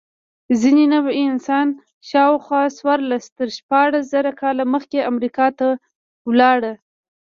ځینې نوعې انسان شاوخوا څوارلس تر شپاړس زره کاله مخکې امریکا ته ولاړ.